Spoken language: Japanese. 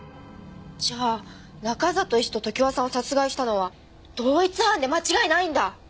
じゃあ中里医師と常盤さんを殺害したのは同一犯で間違いないんだ！